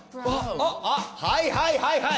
あっはいはいはいはい！